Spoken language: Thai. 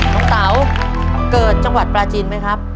เต๋าเกิดจังหวัดปลาจินไหมครับ